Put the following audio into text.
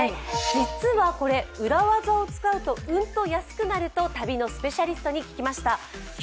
実はこれ、裏技を使うとうんと安くなると旅のスペシャリストに聞きました。